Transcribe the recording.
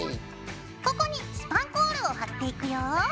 ここにスパンコールを貼っていくよ。